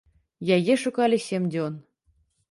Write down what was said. Яе шукалі сем дзён.